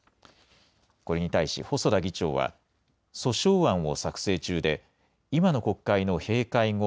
これに対し、細田議長は、訴訟案を作成中で、今の国会の閉会後、